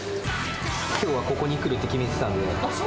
きょうはここに来るって決めてたんで。